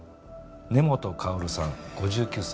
根本かおるさん５９歳。